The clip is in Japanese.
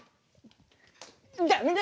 ダメだ！